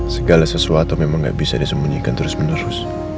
segala sesuatu memang gak bisa disembunyikan terus menerus